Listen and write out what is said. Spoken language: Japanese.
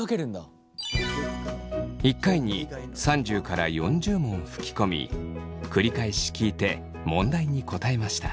一回に３０から４０問吹き込み繰り返し聞いて問題に答えました。